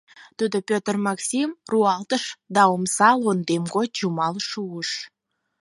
Тудо Петр Максим руалтыш да омса лондем гоч чумал шуыш.